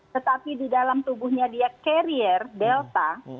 tetapi di dalam tubuhnya dia carrier delta